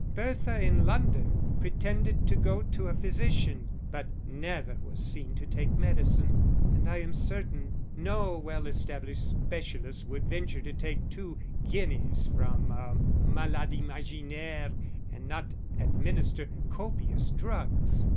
Bertha in London pretended to go to a physician, but never was seen to take medicine, and I am certain no well established specialist would venture to take two guineas from a_ malade imaginaire _and not administer copious drugs.